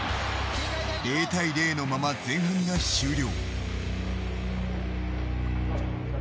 ０対０のまま前半が終了。